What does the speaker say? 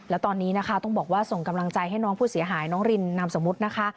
และตอนนี้นะคะต้องบอกว่าส่งกำลังใจให้น้องผู้เสียหายน้องรินนามสมมุตินะคะ